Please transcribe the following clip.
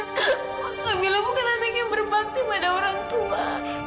kamila bukan anak yang berbakti pada orang tua